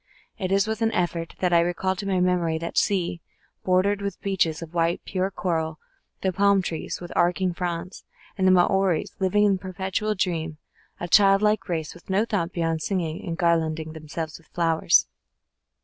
It is with an effort that I recall to my memory that sea, bordered with beaches of pure white coral, the palm trees with arching fronds, and the Maoris living in a perpetual dream, a childlike race with no thought beyond singing and garlanding themselves with flowers.